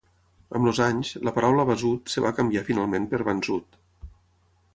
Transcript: Amb els anys, la paraula "Basud" es va canviar finalment per "Bansud".